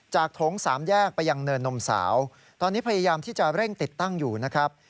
โถงสามแยกไปยังเนินนมสาวตอนนี้พยายามที่จะเร่งติดตั้งอยู่นะครับ